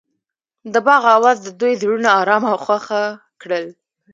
د باغ اواز د دوی زړونه ارامه او خوښ کړل.